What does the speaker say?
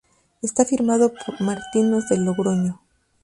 Está firmado por Martinus de Logroño.